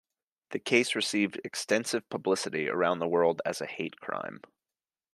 The case received extensive publicity around the world as a hate crime.